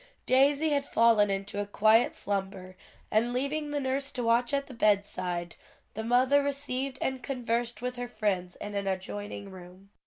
Daisy had fallen into a quiet slumber, and leaving the nurse to watch at the bedside, the mother received and conversed with her friends in an adjoining room.